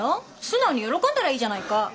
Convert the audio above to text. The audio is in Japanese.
素直に喜んだらいいじゃないか。